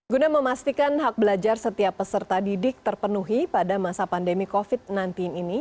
guna memastikan hak belajar setiap peserta didik terpenuhi pada masa pandemi covid sembilan belas ini